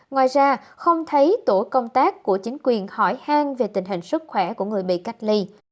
ngoài ra không thấy tổ công tác của chính quyền hỏi hang về tình hình sức khỏe của người bị cách ly